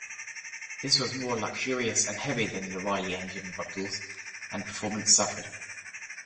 This was more luxurious and heavier than the Riley engined models and performance suffered.